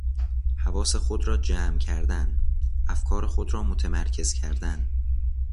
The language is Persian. حواس خود را جمع کردن، افکار خود را متمرکز کردن